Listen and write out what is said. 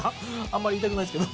あんまり言いたくないですけど。